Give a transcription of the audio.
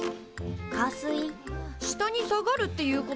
下に下がるっていうことだよね？